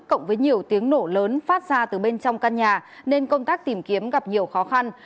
cộng với nhiều tiếng nổ lớn phát ra từ bên trong căn nhà nên công tác tìm kiếm gặp nhiều khó khăn